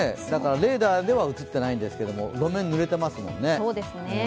レーダーでは映っていないんですけれども、路面、ぬれてますもんね。